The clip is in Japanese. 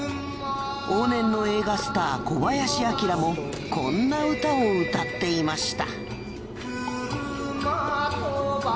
往年の映画スター小林旭もこんな歌を歌っていました。